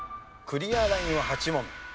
クリアラインは８問。